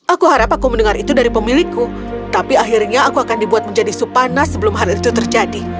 aku harap aku mendengar itu dari pemilikku tapi akhirnya aku akan dibuat menjadi supanas sebelum hal itu terjadi